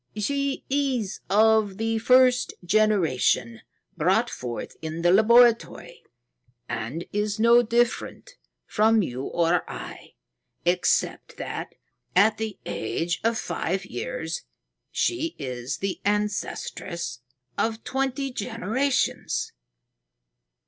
"She is of the first generation brought forth in the laboratory, and is no different from you or I, except that, at the age of five years, she is the ancestress of twenty generations."